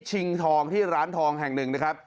ชิงทองที่ร้านทองแห่งหนึ่งนะครับ